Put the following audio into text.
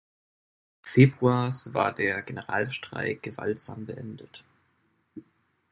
Februars war der Generalstreik gewaltsam beendet.